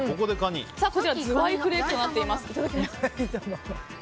ズワイフレークとなっています。